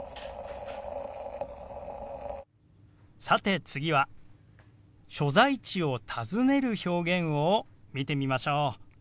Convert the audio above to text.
さて次は所在地を尋ねる表現を見てみましょう。